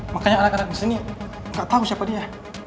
makanya anak anak disini gak tau siapa dia